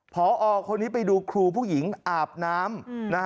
พอคนนี้ไปดูครูผู้หญิงอาบน้ำ